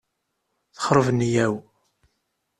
Texreb nniyya-w.